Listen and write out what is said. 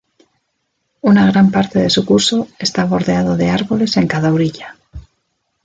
Una gran parte de su curso está bordeado de árboles en cada orilla.